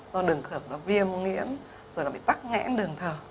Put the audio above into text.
do đường thở nó viêm nghiễn rồi nó bị tắc nghẽn đường thở